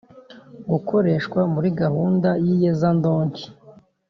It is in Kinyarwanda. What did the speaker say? gukoreshwa muri gahunda y iyezandonke